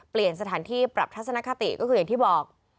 เปลี่ยนสถานที่ปรับทัศนคติก็คืออย่างที่บอก